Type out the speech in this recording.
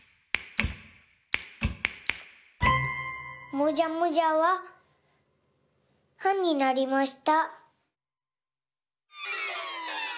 もじゃもじゃは「は」になりました。